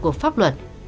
của pháp luật